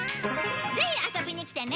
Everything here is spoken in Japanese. ぜひ遊びに来てね！